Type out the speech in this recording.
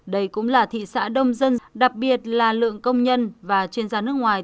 đây cũng là thị xã đông dân đặc biệt là lượng công nhân và chuyên gia nước ngoài